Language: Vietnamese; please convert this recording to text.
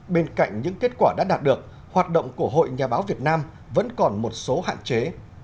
bên cạnh những kết quả đã đạt được hoạt động của hội nhà báo việt nam vẫn còn một số hạn chế